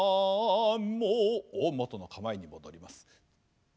元の「構え」に戻ります。